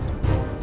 tidak ada apa